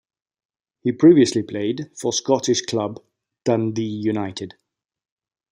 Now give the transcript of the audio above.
He previously played for Scottish club Dundee United.